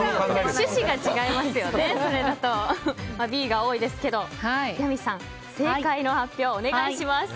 Ｂが多いですけどヤミーさん、正解の発表をお願いします。